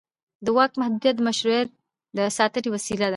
د واک محدودیت د مشروعیت د ساتنې وسیله ده